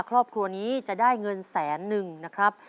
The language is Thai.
ครอบครัวนี้จะได้เงินแสนนึงนะครับ